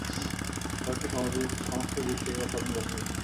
শহরটি সমস্ত দিক থেকে অসাধারণ দর্শনীয়।